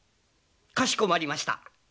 かしこまりました。